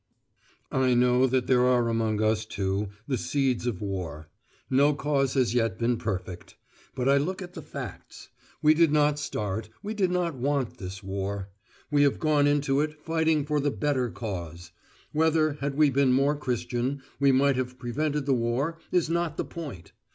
I know that there are among us, too, the seeds of war: no cause has yet been perfect. But I look at the facts. We did not start, we did not want this war. We have gone into it, fighting for the better cause. Whether, had we been more Christian, we might have prevented the war, is not the point.